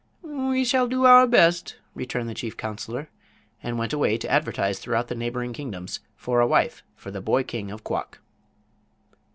"We shall do our best," returned the chief counselor, and went away to advertise throughout the neighboring kingdoms for a wife for the boy king of Quok.